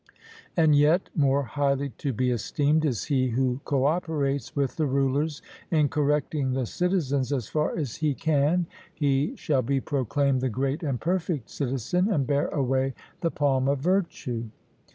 And yet more highly to be esteemed is he who co operates with the rulers in correcting the citizens as far as he can he shall be proclaimed the great and perfect citizen, and bear away the palm of virtue.